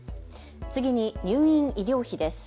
次に入院医療費です。